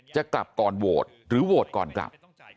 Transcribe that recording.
จะกลับก่อนโหวตหรือโหวตก่อนกลับ